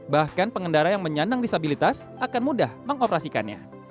bahkan pengendara yang menyandang disabilitas akan mudah mengoperasikannya